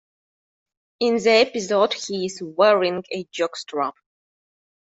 In the episode, he is wearing a jockstrap.